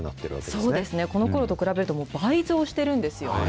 そうですね、このころと比べると、もう倍増しているんですよね。